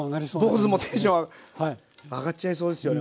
坊主もテンション上がっちゃいそうですよね